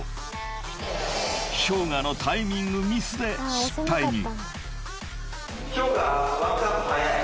［ＨｙＯｇＡのタイミングミスで失敗に］